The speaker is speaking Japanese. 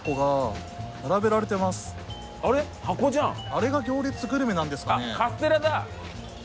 あれが行列グルメなんですかね？